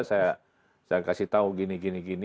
saya kasih tahu gini gini